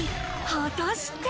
果たして。